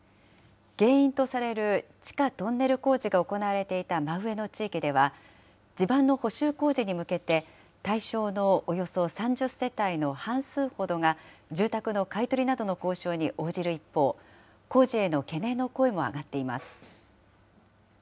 原因とされる地下トンネル工事が行われていた真上の地域では、地盤の補修工事に向けて、対象のおよそ３０世帯の半数ほどが住宅の買い取りなどの交渉に応じる一方、工事への懸念の声も上がっています。